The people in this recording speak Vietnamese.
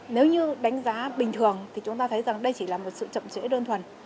nếu như đánh giá bình thường thì chúng ta thấy rằng đây chỉ là một sự chậm trễ đơn thuần